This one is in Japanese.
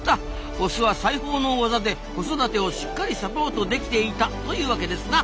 オスは裁縫の技で子育てをしっかりサポートできていたというわけですな。